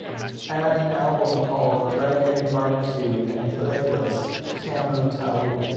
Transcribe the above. add an album called Reggae BBQ in playlist Camu Tao